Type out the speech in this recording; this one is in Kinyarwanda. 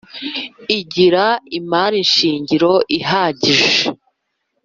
igira imari shingiro ihagije